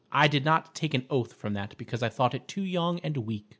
I did not take an oath from that because I thought it too young and weak."